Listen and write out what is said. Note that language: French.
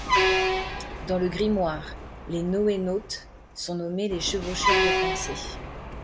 Dans le grimoire, les NoéNautes sont nommés les « chevaucheurs de pensées ».